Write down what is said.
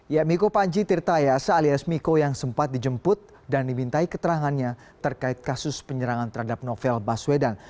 ya miko panjitir tayasa alias miko yang sempat dijemput dan dimintai keterangannya terkait kasus penyeraman terhadap novel baswedan